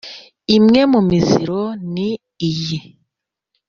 Imwe mu miziro ni iyi: